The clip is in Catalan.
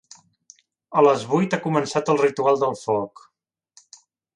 A les vuit ha començat el ritual del foc.